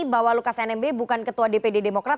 bahwa lukas nmb bukan ketua dpd demokrat